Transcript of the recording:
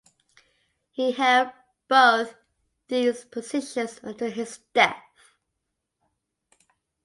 He held both these positions until his death.